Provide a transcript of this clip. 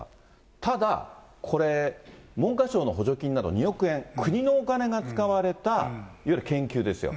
ただこれ、文科省の補助金など２億円、国のお金が使われたいわゆる研究ですよ。